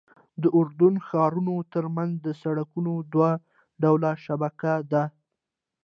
د اردن د ښارونو ترمنځ د سړکونو دوه ډوله شبکه ده.